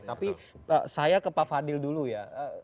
tapi saya ke pak fadil dulu ya